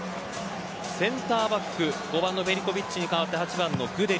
センターバック５番のヴェリコヴィッチに代わって８番のグデリ。